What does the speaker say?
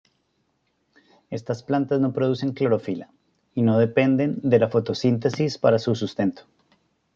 Estas plantas no producen clorofila y no dependen de la fotosíntesis para su sustento.